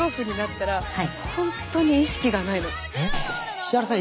石原さん